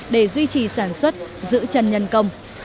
để duy trì sản xuất giữ trần nhân công